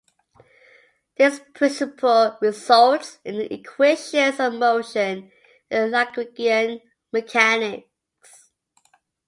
This principle results in the equations of motion in Lagrangian mechanics.